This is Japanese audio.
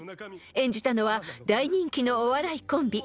［演じたのは大人気のお笑いコンビ